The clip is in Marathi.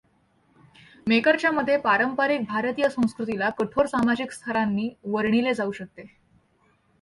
मेकर च्या मते, पारंपारिक भारतीय संस्कृतीला कठोर सामाजिक स्थरांनी वर्णिले जाऊ शकते.